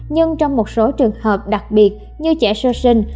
nhưng trong một số trường hợp đặc biệt như trẻ sơ sinh